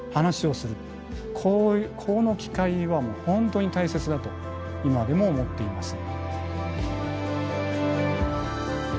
この機会は本当に大切だと今でも思っています。